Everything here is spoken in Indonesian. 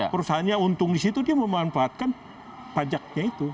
perusahaannya untung di situ dia memanfaatkan pajaknya itu